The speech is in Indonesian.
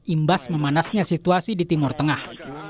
imbas memanasnya situasi di timur tengah